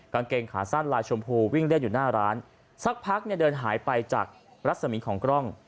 กางเกงขาสั้นลายชมพูวิ่งเล่นอยู่หน้าร้านสักพักเนี่ยเดินหายไปจากรัศมีของกล้อง